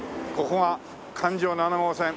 ここが環状七号線。